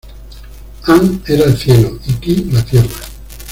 An, era el Cielo y Ki, la Tierra.